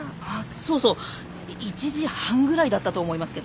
そうそう１時半ぐらいだったと思いますけど。